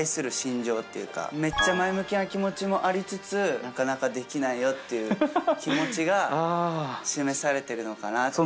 前向きな気持ちもありつつなかなかできないよ！っていう気持ちが示されてるのかなって。